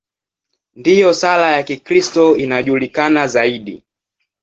Ndiyo sala ya Kikristo inayojulikana zaidi.